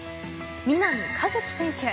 南一輝選手。